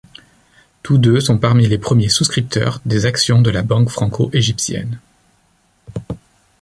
Tous deux sont parmi les premiers souscripteurs des actions de la Banque franco-égyptienne.